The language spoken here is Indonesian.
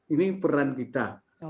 ini peran kita